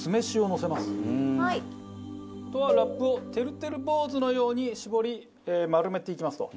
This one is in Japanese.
あとはラップをてるてる坊主のように絞り丸めていきますと。